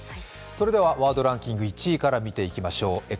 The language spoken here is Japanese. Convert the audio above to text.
それではワードランキング、１位から見ていきましょう。